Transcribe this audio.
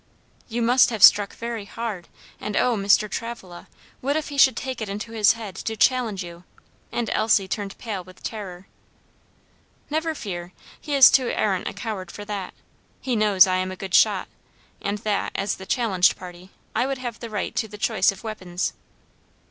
"You must have struck very hard, and oh, Mr. Travilla, what if he should take it into his head to challenge you?" and Elsie turned pale with terror. "Never fear; he is too arrant a coward for that; he knows I am a good shot, and that, as the challenged party, I would have the right to the choice of weapons."